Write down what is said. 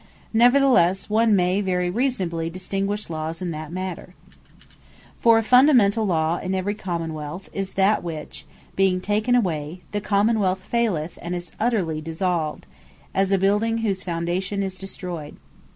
Neverthelesse one may very reasonably distinguish Laws in that manner. A Fundamentall Law What For a Fundamentall Law in every Common wealth is that, which being taken away, the Common wealth faileth, and is utterly dissolved; as a building whose Foundation is destroyed.